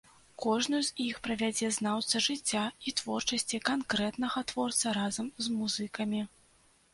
Кожную з іх правядзе знаўца жыцця і творчасці канкрэтнага творцы разам з музыкамі.